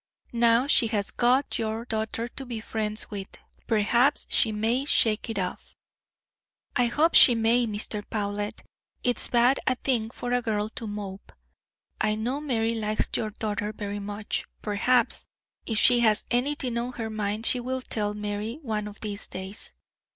Now she has got your daughter to be friends with, perhaps she may shake it off." "I hope she may, Mr. Powlett. It's a bad thing for a girl to mope. I know Mary likes your daughter very much; perhaps, if she has anything on her mind, she will tell Mary one of these days.